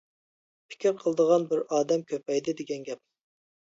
پىكىر قىلىدىغان بىر ئادەم كۆپەيدى دېگەن گەپ.